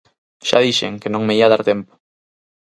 Xa dixen que non me ía dar tempo.